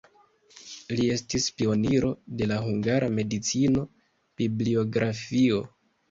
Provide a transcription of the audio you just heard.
Li estis pioniro de la hungara medicino-bibliografio.